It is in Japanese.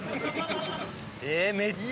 えぇめっちゃ。